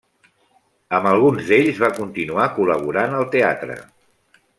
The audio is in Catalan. Amb alguns d'ells va continuar col·laborant al teatre.